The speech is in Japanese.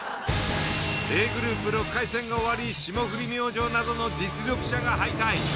Ａグループ６回戦が終わり霜降り明星などの実力者が敗退。